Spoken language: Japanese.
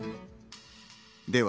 では